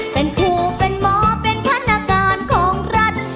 เป็นผู้เป็นหมอเป็นพนักงานของรัฐ